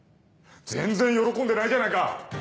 全然喜んでないじゃないか！